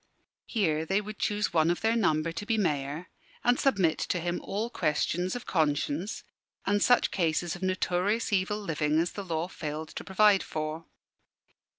Here they would choose one of their number to be Mayor, and submit to him all questions of conscience, and such cases of notorious evil living as the law failed to provide for.